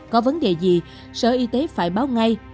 có vấn đề gì sở y tế phải báo ngay